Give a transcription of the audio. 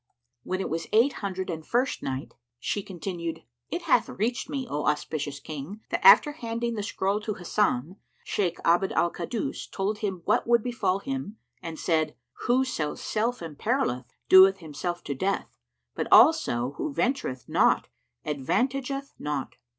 When it was the Eight Hundred and First Night, She continued, It hath reached me, O auspicious King, that after handing the scroll to Hasan, Shaykh Abd al Kaddus told him what would befal him and said, "Whoso self imperilleth doeth himself to death; but also who ventureth naught advantageth naught.